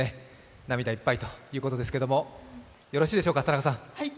涙いっぱいですけれども、よろしいでしょうか、田中さん。